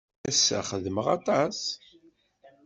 Ass-a, xedmeɣ aṭas.